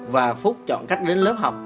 và phúc chọn cách đến lớp học